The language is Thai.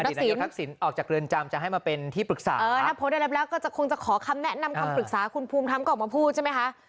คุณทักษิณออกจากเรือนจำจะให้มาเป็นที่ปรึกษาเออถ้าพอได้เร็วก็คงจะขอคำแนะนำคำปรึกษาคุณภูมิทำกลับมาพูดใช่ไหมคะ